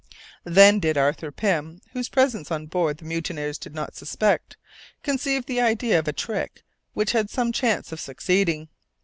Then did Arthur Pym (whose presence on board the mutineers could not suspect) conceive the idea of a trick which had some chance of succeeding.